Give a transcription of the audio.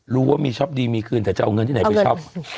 รู้ว่ามีช็อปดีมีคืนแต่จะเอาเงินที่ไหนไปช็อป